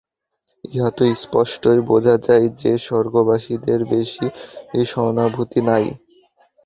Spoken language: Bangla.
ইহা তো স্পষ্টই বোঝা যায় যে, স্বর্গবাসীদের বেশী সহানুভূতি নাই।